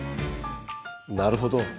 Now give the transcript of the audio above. なるほど。